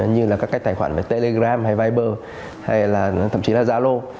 như là các tài khoản telegram hay viber hay thậm chí là zalo